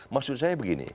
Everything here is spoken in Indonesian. maksud saya begini